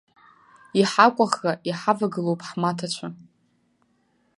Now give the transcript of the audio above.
Иҳакәаӷӷа иҳавагылоуп ҳмаҭацәа.